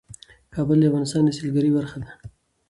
کابل د افغانستان د سیلګرۍ برخه ده.